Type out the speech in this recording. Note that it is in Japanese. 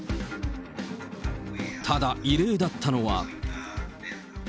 ただ、異例だったのは。